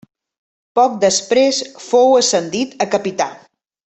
Poc després fou ascendit a capità.